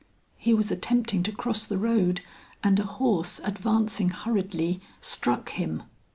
"He was attempting to cross the road, and a horse advancing hurriedly, struck him."